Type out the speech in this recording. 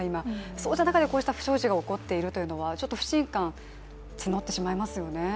そうした中で、こうした不祥事が起こっているというのは不信感が募ってしまいますよね。